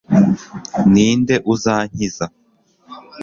ni nde uzankiza